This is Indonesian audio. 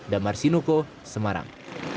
damar sinuko semarang